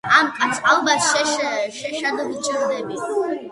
ამ კაცს ალბათ შეშად ვჭირდები.